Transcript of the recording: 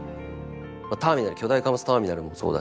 ターミナル「巨大貨物ターミナル」もそうだし。